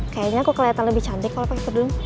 kayaknya aku kelihatan lebih cantik kalau pakai kedung